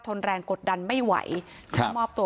พ่อของสทเปี๊ยกบอกว่า